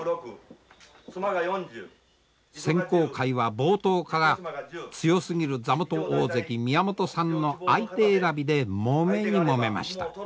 選考会は冒頭から強すぎる座元大関宮本さんの相手選びでもめにもめました。